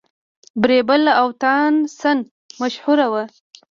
بیربل او تانسن مشهور وو.